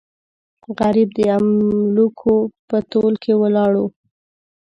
غریب د املوکو په تول کې ولاړو.